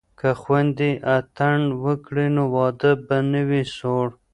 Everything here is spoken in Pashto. که خویندې اتڼ وکړي نو واده به نه وي سوړ.